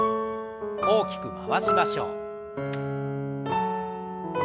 大きく回しましょう。